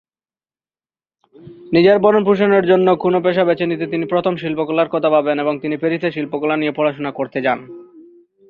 নিজের ভরণপোষণের জন্য কোন পেশা বেছে নিতে তিনি প্রথম শিল্পকলার কথা ভাবেন, এবং তিনি প্যারিসে শিল্পকলা নিয়ে পড়াশোনা করতে যান।